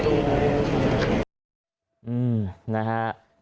ขับรถขับรถกวนไปดู